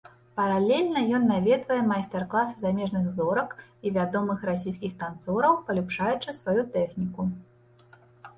Паралельна ён наведвае майстар-класы замежных зорак і вядомых расійскіх танцораў, паляпшаючы сваю тэхніку.